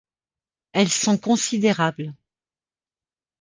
Elles sont considérables.